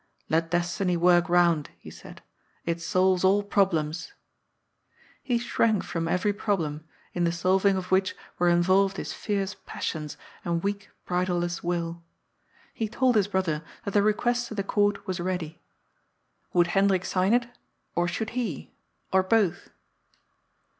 " Let Des tiny work round,'* he said. " It solves all problems." He shrank from every problem, in the solving of which were involved his fierce passions and weak, bridleless will. He told his brother that the request to the Court was ready. 25 386 GOD'S FOOL. Wonld Hendrik sign it, or should he, or both?